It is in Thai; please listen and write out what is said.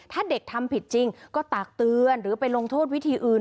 ถ้าเด็กทำผิดจริงก็ตากเตือนหรือไปลงโทษวิธีอื่น